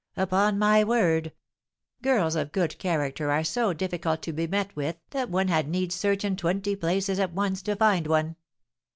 Upon my word, girls of good character are so difficult to be met with that one had need search in twenty places at once to find one."